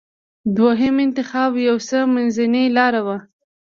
دوهم انتخاب یو څه منځۍ لاره وه.